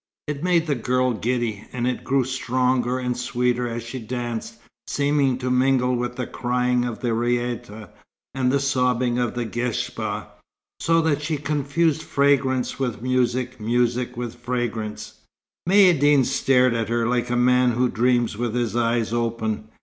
It made the girl giddy, and it grew stronger and sweeter as she danced, seeming to mingle with the crying of the raïta and the sobbing of the ghesbah, so that she confused fragrance with music, music with fragrance. Maïeddine stared at her, like a man who dreams with his eyes open.